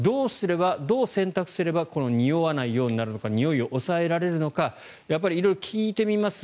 どう洗濯すればにおわないようになるのかにおいを抑えられるのか色々聞いてみます